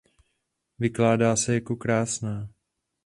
Vykládá se jako "krásná".